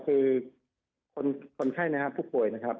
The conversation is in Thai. คือคนไข้นะครับผู้ป่วยนะครับ